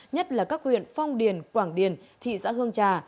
nhất là các huyện phong điền quảng điền thị xã hương trà